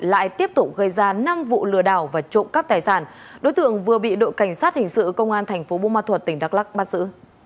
lại tiếp tục gây ra năm vụ lừa đảo và trộm cắp tài sản đối tượng vừa bị đội cảnh sát hình sự công an thành phố bô ma thuật tỉnh đắk lắc bắt giữ